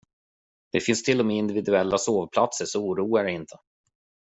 Det finns till och med individuella sovplatser, så oroa dig inte.